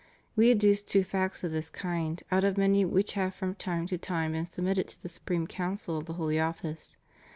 We adduce two facts of this kind out of many which have from time to time been submitted to the Supreme Council of the Holy Office.